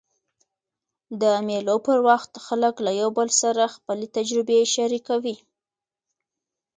د مېلو پر وخت خلک له یو بل سره خپلي تجربې شریکوي.